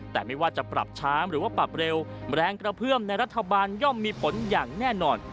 แต่ไม่ว่าจะปรับช้าหรือว่าปรับเร็วแรงกระเพื่อมในรัฐบาลย่อมมีผลอย่างแน่นอน